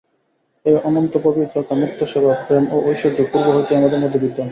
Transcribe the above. এই অনন্ত পবিত্রতা, মুক্তস্বভাব, প্রেম ও ঐশ্বর্য পূর্ব হইতেই আমাদের মধ্যে বিদ্যমান।